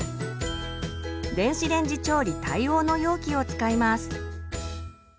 電子レンジ調理対応の容器を使います。